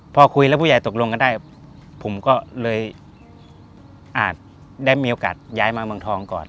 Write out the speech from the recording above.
พอคุยแล้วผู้ใหญ่ตกลงกันได้ผมก็เลยอาจได้มีโอกาสย้ายมาเมืองทองก่อน